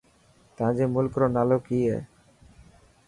تانجي ملڪ رو نالو ڪي هي.